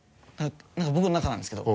何か僕の中なんですけど。